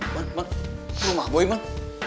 man man rumah boy man